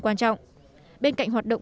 quan trọng bên cạnh hoạt động